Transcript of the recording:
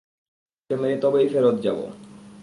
তোকে মেরে তবেই ফেরত যাবো।